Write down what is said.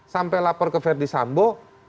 sampai lapor ke verdi sambo